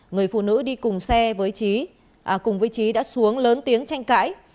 người phụ nữ đi cùng với trí đã xuống lớn tiếng tranh cãi